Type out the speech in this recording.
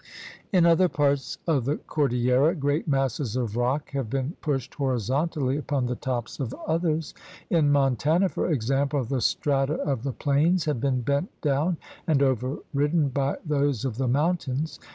In other parts of the cordillera great masses of rock have been pushed horizontally upon the tops of others. In Montana, for example, the strata of the plains have been bent down and overridden by those of the mountains.